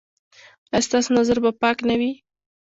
ایا ستاسو نظر به پاک نه وي؟